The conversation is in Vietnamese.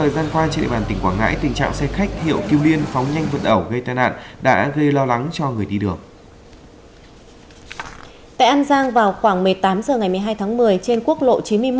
đang vào khoảng một mươi tám giờ ngày một mươi hai tháng một mươi trên quốc lộ chín mươi một